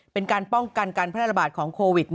เป็นการป้องกันการแพร่ระบาดของโควิด